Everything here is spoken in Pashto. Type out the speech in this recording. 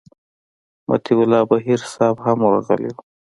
مطیع الله بهیر صاحب هم ورغلی و.